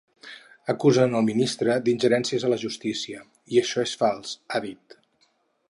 Acusen el ministre d’ingerència a la justícia, i això és fals, ha dit.